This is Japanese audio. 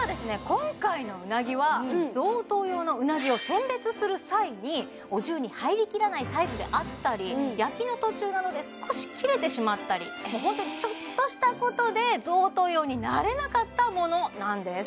今回のうなぎは贈答用のうなぎを選別する際にお重に入りきらないサイズであったり焼きの途中などで少し切れてしまったりホントにちょっとしたことで贈答用になれなかったものなんです